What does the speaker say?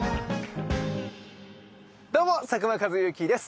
どうも佐久間一行です。